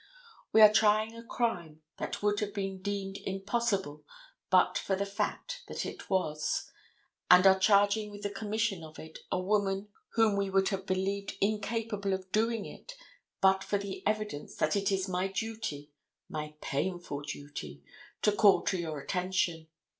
We are trying a crime that would have been deemed impossible but for the fact that it was, and are charging with the commission of it a woman whom we would have believed incapable of doing it but for the evidence that it is my duty, my painful duty, to call to your attention.